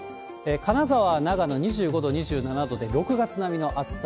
金沢、長野、２５度、２７度で、６月並みの暑さ。